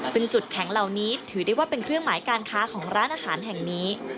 ซึ่งจุดแข็งเหล่านี้ถือได้ว่าเป็นเครื่องหมายการค้าของร้านอาหารแห่งนี้